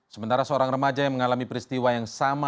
sementara seorang remaja yang mengalami peristiwa yang sama